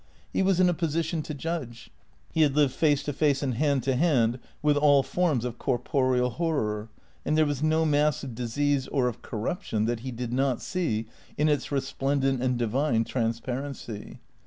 He was in a position to judge. He had lived face to face and hand to hand with all forms of corporeal horror, and there was no mass of disease or of corruption that he did not see in its resplendent and divine trans parency.